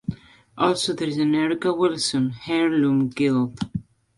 Also, there is an "Erica Wilson-Heirloom Guild".